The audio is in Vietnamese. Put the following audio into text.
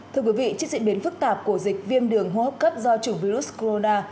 thưa quý vị trước diễn biến phức tạp của dịch viêm đường hô hấp cấp do chủng virus corona